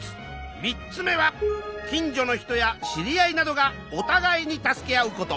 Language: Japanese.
３つ目は近所の人や知り合いなどがお互いに助け合うこと。